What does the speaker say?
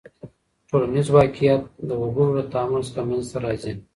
ټولنیز واقعیت د وګړو له تعامل څخه منځ ته راځي.